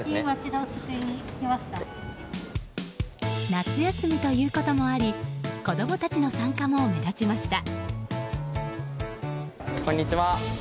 夏休みということもあり子供たちの参加も目立ちました。